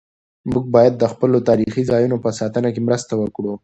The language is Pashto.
موږ باید د خپلو تاریخي ځایونو په ساتنه کې مرسته وکړو.